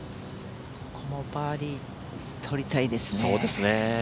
このバーディー、取りたいですね。